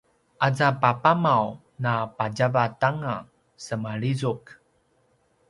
aza papamav napatjavat anga semalizuk